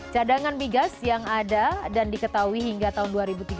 cadangan bigas yang ada dan diketahui hingga tahun dua ribu tiga puluh tujuh